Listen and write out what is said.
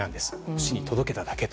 市の届けただけと。